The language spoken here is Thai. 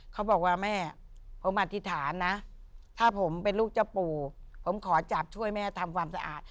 เขาบอกว่าแม่ผมอธิษฐานนะถ้าผมเป็นลูกเจ้าปู่ผมขอจับช่วยแม่ทำความสะอาด